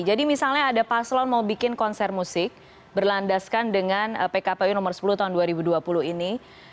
jadi misalnya ada paslon mau bikin konser musik berlandaskan dengan pkpu sepuluh tahun dua ribu dua puluh ini